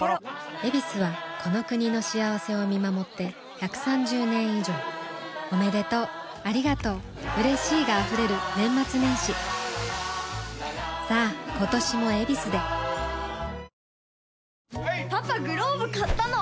「ヱビス」はこの国の幸せを見守って１３０年以上おめでとうありがとううれしいが溢れる年末年始さあ今年も「ヱビス」でパパ、グローブ買ったの？